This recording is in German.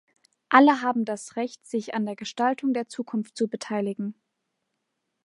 Alle haben das Recht, sich an der Gestaltung der Zukunft zu beteiligen.